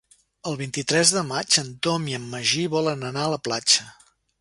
El vint-i-tres de maig en Tom i en Magí volen anar a la platja.